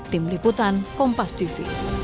tim liputan kompas tv